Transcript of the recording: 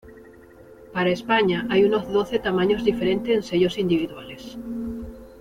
Para España hay unos doce tamaños diferentes en sellos individuales.